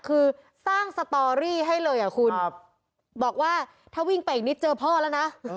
คือสร้างสตอรี่ให้เลยอ่ะคุณบอกว่าถ้าวิ่งไปอีกนิดเจอพ่อแล้วนะ